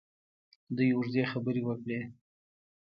دوی اوږدې خبرې وکړې.